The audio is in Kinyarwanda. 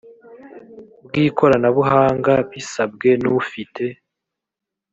bw’ikoranabuhanga bisabwe n’ufite